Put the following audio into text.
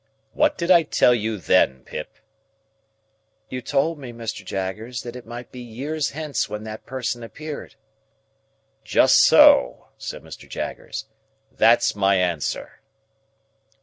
What did I tell you then, Pip?" "You told me, Mr. Jaggers, that it might be years hence when that person appeared." "Just so," said Mr. Jaggers, "that's my answer."